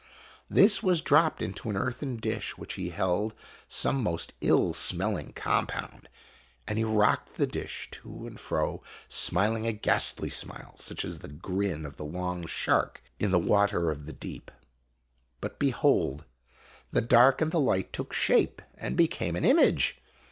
This was dropped into an earthen dish which held some most ill smelling compound. And he rocked the dish, to and fro, smiling a ghastly smile, such as is the grin of the long shark in the water of the deep. But behold, the dark and the light took shape and became an image